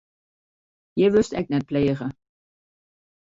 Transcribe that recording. Hjir wurdst ek net pleage.